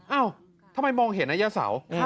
เอ้าทำไมมองเห็นนะย่าเสา